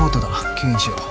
吸引しよう。